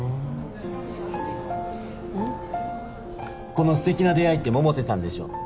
この「ステキな出会い」って百瀬さんでしょ？